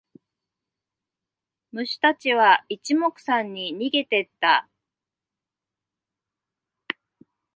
虫たちは一目散に逃げてった。